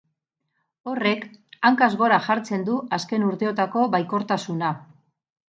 Horrek hankaz gora jartzen du azken urteotako baikortasuna.